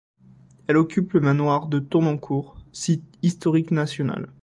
Elle occupe le manoir de Tonnancour, site historique national.